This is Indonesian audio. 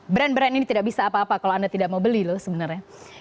brand brand ini tidak bisa apa apa kalau anda tidak mau beli loh sebenarnya